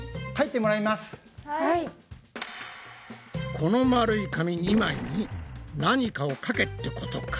この円い紙２枚に何かをかけってことか？